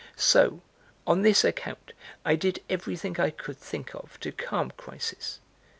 So on this account, I did everything I could think of to calm Chrysis.